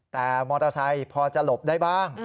แต่มอเตอร์ไซค์พอจะหลบได้บ้าง